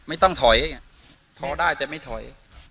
อาจจะไม่ถอย